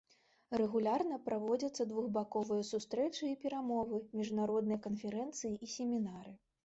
Рэгулярна праводзяцца двухбаковыя сустрэчы і перамовы, міжнародныя канферэнцыі і семінары.